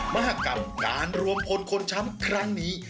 มากกับการรวมพลคนช้ำครั้งนี้